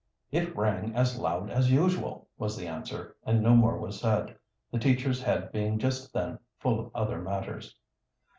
"It rang as loud as usual," was the answer, and no more was said, the teacher's head being just then full of other matters.